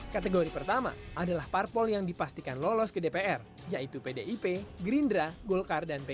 kategori pertama adalah parpol yang dipastikan lolos ke dpr yaitu pdip gerindra golkar dan p tiga